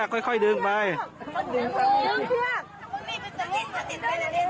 ดึงเชือกค่อยค่อยดึงไปดึงเชือก